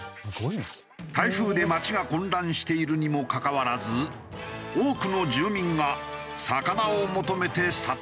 台風で街が混乱しているにもかかわらず多くの住民が魚を求めて殺到。